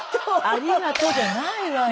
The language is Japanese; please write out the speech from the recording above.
ありがとうじゃないわよ。